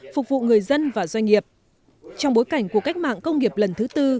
phục vụ người dân và doanh nghiệp trong bối cảnh của cách mạng công nghiệp lần thứ tư